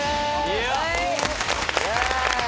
イエーイ！